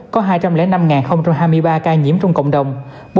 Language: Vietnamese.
có hai trăm linh năm hai mươi ba ca nhiễm trong cộng đồng